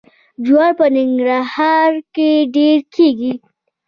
جوار په ننګرهار کې ډیر کیږي.